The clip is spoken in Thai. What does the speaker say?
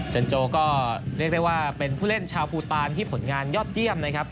จันโจก็เรียกได้ว่าเป็นผู้เล่นชาวภูตานที่ผลงานยอดเยี่ยมนะครับ